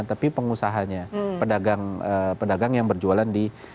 tapi pengusahanya pedagang yang berjualan di